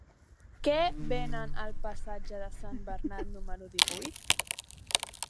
Què venen al passatge de Sant Bernat número divuit?